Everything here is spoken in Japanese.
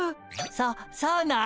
そそうなん？